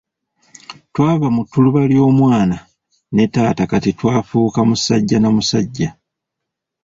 Twava mu ttuluba ly'omwana ne taata kati twafuuka musajja na musajja.